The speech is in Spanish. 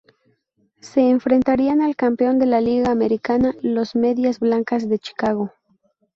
Se enfrentarían al campeón de la Liga Americana, los Medias Blancas de Chicago.